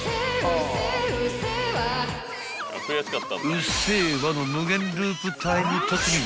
［『うっせぇわ』の無限ループタイム突入］